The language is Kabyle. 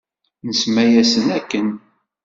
Nsemma-yasen akken.